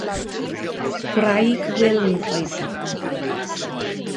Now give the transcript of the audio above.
Gwraig Wil oedd hi.